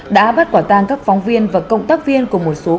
đã bắt quả tàng các phóng viên và công tác viên của một số cơ quan